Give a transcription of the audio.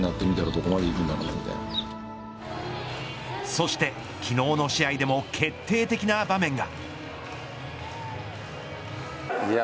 そして昨日の試合でも決定的な場面が。